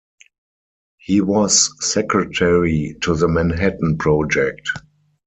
He was Secretary to the Manhattan Project.